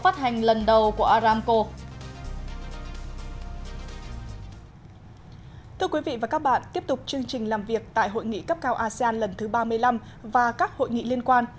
thưa quý vị và các bạn tiếp tục chương trình làm việc tại hội nghị cấp cao asean lần thứ ba mươi năm và các hội nghị liên quan